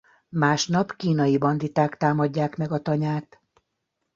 Másnap kínai banditák támadják meg a tanyát.